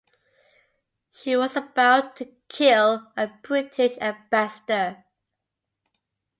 She was about to kill a British ambassador.